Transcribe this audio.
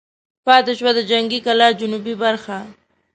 پاتې شوه د جنګي کلا جنوبي برخه.